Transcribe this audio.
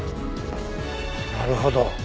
なるほど。